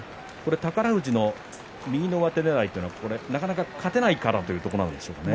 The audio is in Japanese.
宝富士の右の上手ねらいというのはなかなか勝てないからというところなんでしょうかね。